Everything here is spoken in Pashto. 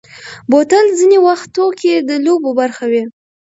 بوتل ځینې وختو کې د لوبو برخه وي.